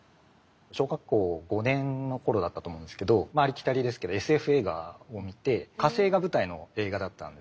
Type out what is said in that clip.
小学校５年の頃だったと思うんですけどありきたりですけどＳＦ映画を見て火星が舞台の映画だったんですけど